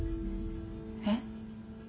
えっ？